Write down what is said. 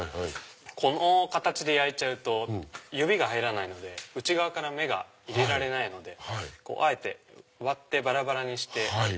この形で焼いちゃうと指が入らないので内側から目が入れられないのであえて割ってばらばらにして。